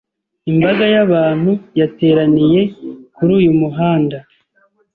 Imbaga y'abantu yateraniye kuri uyu muhanda.